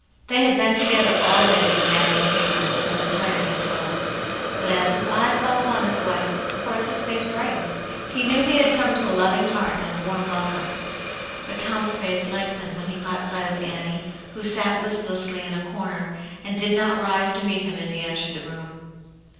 They had been together all day, examining papers, and looked tired and troubled. But as his eye fell upon his wife, Horace's face brightened ; he knew he had come to a loving heart and a warm welcome. But Tom*s face lengthened when he caught sight of Annie, who sat listlessly in a corner, and did not rise to meet him as he entered the room.